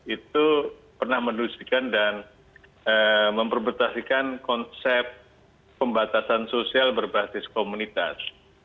itu pernah meneruskan dan memperbesarkan konsep pembatasan sosial berbasis komunitas